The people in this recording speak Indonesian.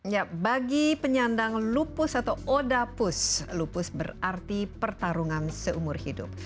ya bagi penyandang lupus atau odapus lupus berarti pertarungan seumur hidup